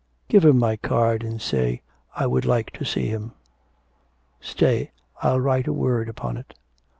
'Give him my card and say I would like to see him. Stay, I'll write a word upon it.'